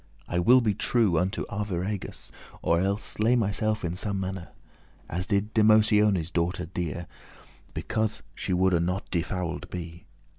I will be true unto Arviragus, Or elles slay myself in some mannere, As did Demotione's daughter dear, Because she woulde not defouled be.